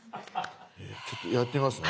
ちょっとやってみますね。